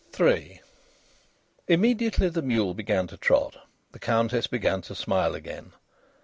III Immediately the mule began to trot the Countess began to smile again.